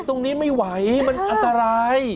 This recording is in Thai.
ตรงนี้ไม่ไหวมันอันตราย